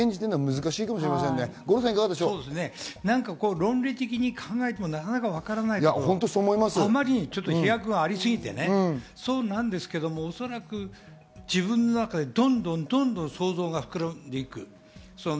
論理的に考えてもなかなかわからないから、あまりに飛躍がありすぎて、おそらく自分の中でどんどん想像が膨らんでゆく。